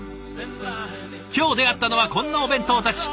今日出会ったのはこんなお弁当たち。